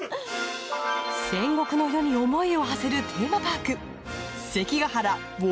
戦国の世に想いを馳せるテーマパーク